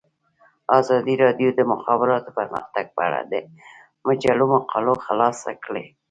ازادي راډیو د د مخابراتو پرمختګ په اړه د مجلو مقالو خلاصه کړې.